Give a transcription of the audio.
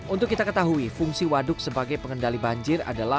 untuk kita ketahui fungsi waduk sebagai pengendali banjir adalah